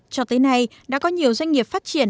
cho tới nay đã có nhiều doanh nghiệp phát triển